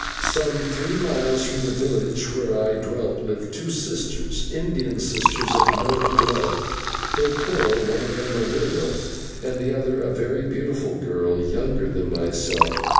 Some three miles from the village where I dwelt, lived two sisters, Indian ladies of noble blood, though poor, one of them a widow, and the other a very beautiful girl, younger than myself.